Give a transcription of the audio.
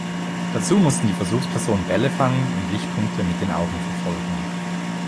Dazu mussten die Versuchspersonen Bälle fangen und Lichtpunkte mit den Augen verfolgen.